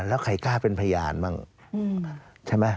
แล้วใครกล้าเป็นพยานบ้างใช่ไหม